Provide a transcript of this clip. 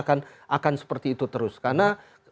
akan seperti itu terus karena